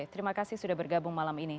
terima kasih sudah bergabung malam ini